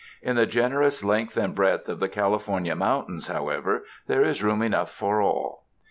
In the gen erous length and breadth of the California moun tains, however, there is room enough for all.